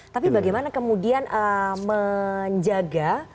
tapi bagaimana kemudian menjaga